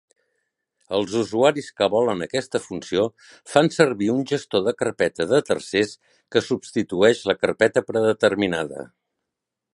Els usuaris que volen aquesta funció fan servir un gestor de carpeta de tercers que substitueix la carpeta predeterminada.